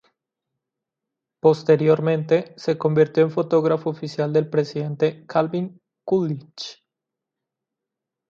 Posteriormente se convirtió en fotógrafo oficial del presidente Calvin Coolidge.